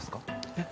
えっ？